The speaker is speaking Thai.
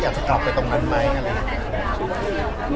อยากกลับไปตรงนั้นไหม